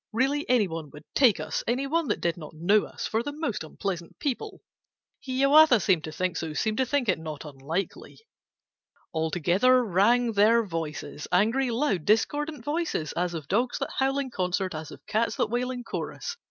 Really any one would take us (Any one that did not know us) For the most unpleasant people!' (Hiawatha seemed to think so, Seemed to think it not unlikely). All together rang their voices, Angry, loud, discordant voices, As of dogs that howl in concert, As of cats that wail in chorus.